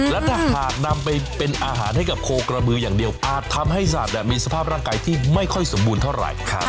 และถ้าหากนำไปเป็นอาหารให้กับโคกระบืออย่างเดียวอาจทำให้สัตว์มีสภาพร่างกายที่ไม่ค่อยสมบูรณ์เท่าไหร่